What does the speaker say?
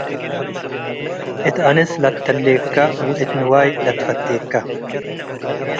እት አንስ ለትተሌከ ወእት ንዋይ ለትፈቴከ።